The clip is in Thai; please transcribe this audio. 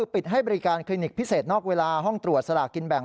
ปิดให้บริการคลินิกพิเศษนอกเวลาห้องตรวจสลากกินแบ่ง